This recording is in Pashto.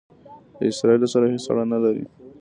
له اسراییلو سره هیڅ اړه نه لري.